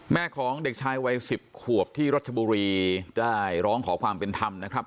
แม่ของเด็กชายวัย๑๐ขวบที่รัชบุรีได้ร้องขอความเป็นธรรมนะครับ